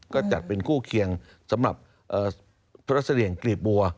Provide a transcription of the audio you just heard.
ก็จัดเป็นคู่เคียงสำหรับธุรเสรียงกลีบบัว